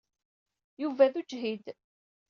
Yuba d ujhid.